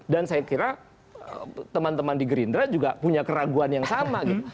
dan saya kira teman teman di gerindra juga punya keraguan yang sama gitu